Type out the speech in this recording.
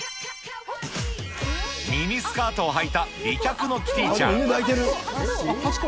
ミニスカートをはいた美脚のキティちゃん。